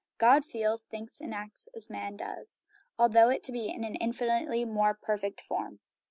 God feels, thinks, and acts as man does, although it be in an infinitely more perfect form.